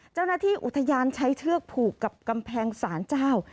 เจ้าหน้าที่อุทยานใช้เชือกผูกกับกำแพงศาลเจ้า